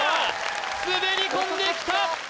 滑り込んできた！